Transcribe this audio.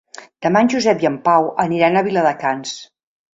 Demà en Josep i en Pau aniran a Viladecans.